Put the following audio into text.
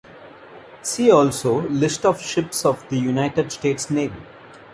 See also List of ships of the United States Navy.